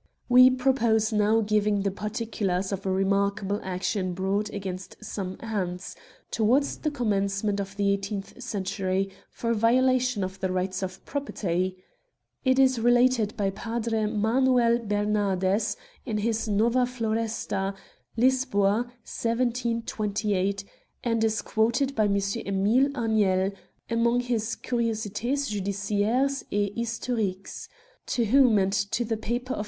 " We propose now giving the particulars of a remarkable action brought against some ants, towards the commencement of the eighteenth century, for violation of the rights of property. It is related by P. Manoel Bernardes in his Nova Floresta (Lisb6a, 1728), and is quoted by M. Emile Agnel among his Curiosith Judiciaires et Historiques ; to whom and to the paper of M.